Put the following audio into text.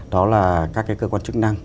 đó là các cái cơ quan chức năng